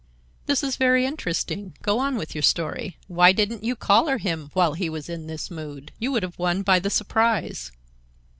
"This is very interesting. Go on with your story. Why didn't you collar him while he was in this mood? You would have won by the surprise.